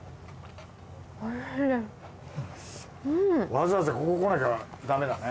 わざわざここ来なきゃダメだね。